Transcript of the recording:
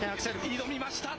挑みました！